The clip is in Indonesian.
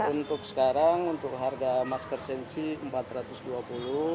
untuk sekarang untuk harga masker sensi rp empat ratus dua puluh